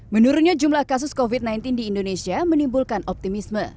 menurunnya jumlah kasus covid sembilan belas di indonesia menimbulkan optimisme